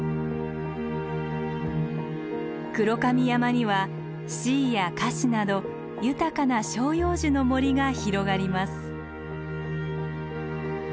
黒髪山にはシイやカシなど豊かな照葉樹の森が広がります。